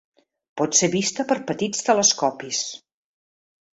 Pot ser vista per petits telescopis.